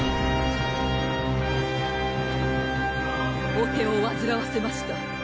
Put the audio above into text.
お手をわずらわせました